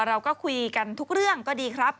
เราก็คุยกันทุกเรื่องก็ดีครับ